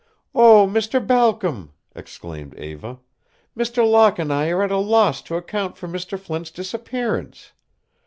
"Oh, Mr. Balcom," exclaimed Eva, "Mr. Locke and I are at a loss to account for Mr. Flint's disappearance!